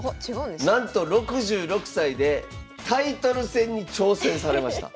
なんと６６歳でタイトル戦に挑戦されました！